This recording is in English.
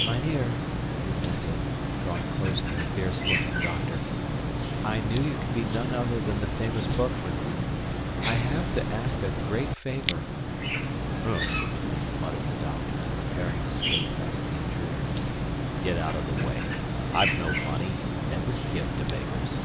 "Mynheer," he panted, drawing close to the fierce looking doctor, "I knew you could be none other than the famous Boekman. I have to ask a great favor " "Hump!" muttered the doctor, preparing to skate past the intruder. "Get out of the way. I've no money never give to beggars."